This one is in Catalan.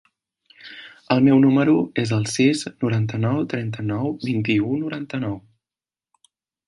El meu número es el sis, noranta-nou, trenta-nou, vint-i-u, noranta-nou.